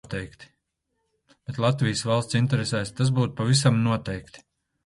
Bet Latvijas valsts interesēs tas būtu pavisam noteikti.